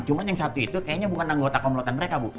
cuma yang satu itu kayaknya bukan anggota komplotan mereka bu